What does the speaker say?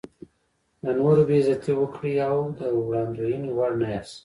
د نورو بې عزتي وکړئ او د وړاندوینې وړ نه یاست.